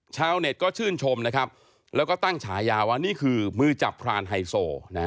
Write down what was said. ชาวเน็ตก็ชื่นชมนะครับแล้วก็ตั้งฉายาว่านี่คือมือจับพรานไฮโซ